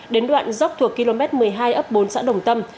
đến đoạn dốc thuộc km một mươi hai ấp bốn xã đồng tâm